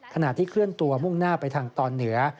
ขณะที่เคลื่อนตัวมุ่งหน้าไปทางตอนเหนือ